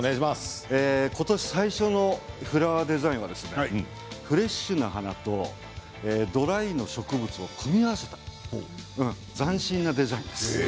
今年最初のフラワーデザインはフレッシュな花とドライの植物を組み合わせて斬新なデザインです。